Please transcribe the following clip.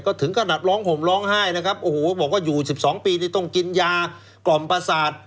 ถึงขนาดร้องห่มร้องไห้นะครับโอ้โหบอกว่าอยู่๑๒ปีนี่ต้องกินยากล่อมประสาท